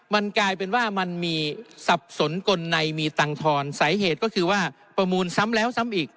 มันกลายเป็นว่ามันมีสับสนกลในมีตังทอนสาเหตุก็คือว่าประมูลซ้ำแล้วซ้ำอีก